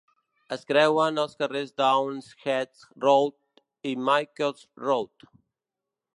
El creuen els carrers Daws Heath Road i Michael's Road.